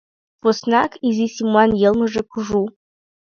Поснак изи Симан йылмыже кужу.